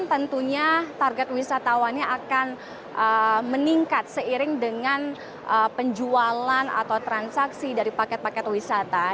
tentunya target wisatawannya akan meningkat seiring dengan penjualan atau transaksi dari paket paket wisata